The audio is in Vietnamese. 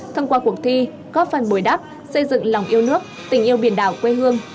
thông qua cuộc thi có phần bồi đắp xây dựng lòng yêu nước tình yêu biển đảo quê hương